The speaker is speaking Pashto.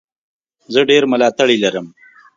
زه ډېر ملاتړي لرم.